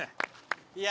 いや。